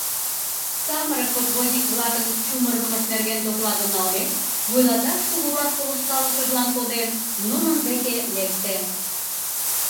Самырык подводник-влакын чумыргымышт нерген докладым налмек, вуйлаташ кугурак полышкалышыжлан коден, нунын деке лекте.